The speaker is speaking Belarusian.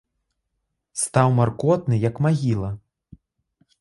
Стаў маркотны, як магіла.